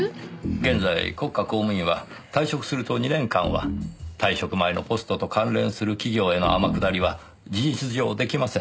現在国家公務員は退職すると２年間は退職前のポストと関連する企業への天下りは事実上出来ません。